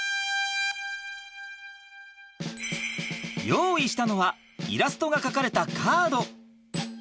用意したのはイラストが描かれたカード。